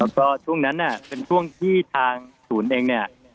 แล้วก็ช่วงนั้นเป็นช่วงที่ทางศูนย์เองเนี่ย